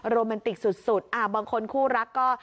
โมแมนติกสุดบางคนคู่รักก็